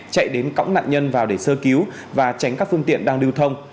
chạy đến cõng nạn nhân vào để sơ cứu và tránh các phương tiện đang lưu thông